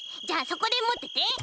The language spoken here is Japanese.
じゃあそこでもってて！